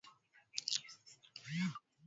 Unatujali tena unatuwaza.